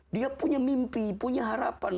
dia punya mimpi punya harapan